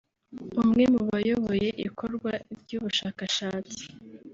umwe mu bayoboye ikorwa ry’ubu bushakashatsi